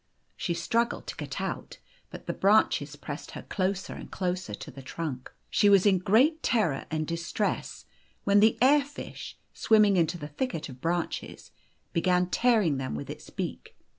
She struggled to get out, but the branches pressed her closer and closer to the trunk. She was in great terror and distress, when the air fish, swimmiuir into the 7 O thicket of branches, began tearing them with its beak.